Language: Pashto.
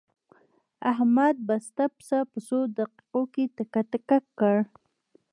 احمد بسته پسه په څو دقیقو کې تکه تکه کړ.